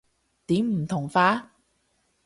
點唔同法？